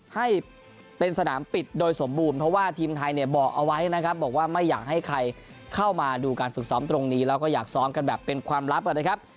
ให้เป็นสนามปิดโดยสมบูรณ์เพราะว่าทีมไทยเนี่ยบอกเอาไว้นะครับบอกว่าไม่อยากให้ใครเข้ามาดูการฝึกซ้อมตรงนี้แล้วก็อยากซ้อมกันแบบเป็นความลับนะครับ